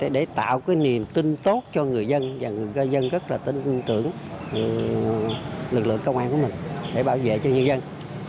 để tạo cái niềm tin tốt cho người dân và người dân rất là tin tưởng lực lượng công an của mình để bảo vệ cho nhân dân